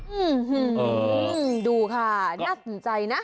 อืมดูค่ะน่าสนใจนะ